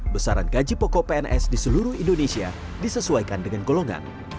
besaran gaji pokok pns di seluruh indonesia disesuaikan dengan golongan